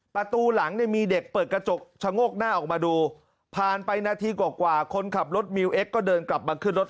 ประตูหลังเนี่ยมีเด็กเปิดกระจกชะโงกหน้าออกมาดูผ่านไปนาทีกว่าคนขับรถมิวเอ็กซก็เดินกลับมาขึ้นรถ